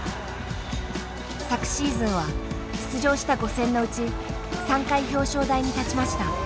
昨シーズンは出場した５戦のうち３回表彰台に立ちました。